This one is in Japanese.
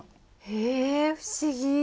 へえ不思議。